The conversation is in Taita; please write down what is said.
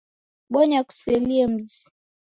Bonya kuselie mzi.